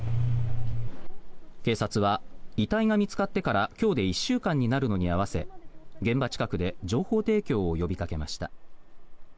警察は、遺体が見つかってから今日で１週間になるのに合わせ現場近くで情報提供を呼びかけました。